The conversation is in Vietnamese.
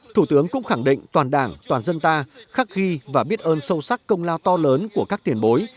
thủ tướng cũng khẳng định toàn đảng toàn dân ta khắc ghi và biết ơn sâu sắc công lao to lớn của các tiền bối